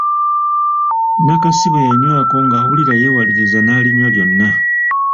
Nakasi bwe yanywako ng’awulira yeewaliriza naalinywa lyonna.